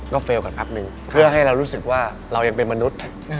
ก็เฟลล์ก่อนพักหนึ่งเพื่อให้เรารู้สึกว่าเรายังเป็นมนุษย์